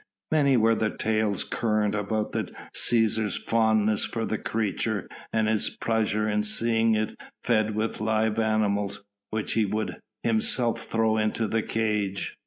Many were the tales current about the Cæsar's fondness for the creature and his pleasure in seeing it fed with live animals, which he would himself throw into the cage.